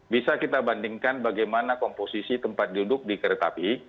bisa kita bandingkan bagaimana komposisi tempat duduk di keretapi